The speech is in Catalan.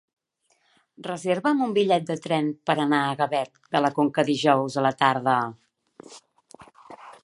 Reserva'm un bitllet de tren per anar a Gavet de la Conca dijous a la tarda.